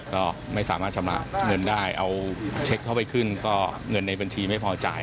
ก็ไม่สามารถชำระเงินได้เอาเช็คเข้าไปขึ้นก็เงินในบัญชีไม่พอจ่าย